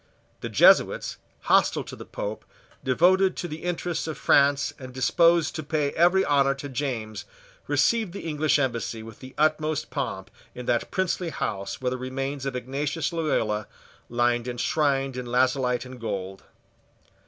The Jesuits, hostile to the Pope, devoted to the interests of France and disposed to pay every honour to James, received the English embassy with the utmost pomp in that princely house where the remains of Ignatius Loyola lie enshrined in lazulite and gold.